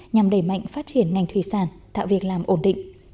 nhằm đẩy mạnh phát triển ngành thủy sản tạo việc làm ổn định